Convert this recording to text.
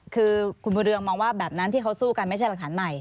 คือคุณบุญเรืองมองว่าแบบนั้นที่เขาสู้กันไม่ใช่หลักฐานใหม่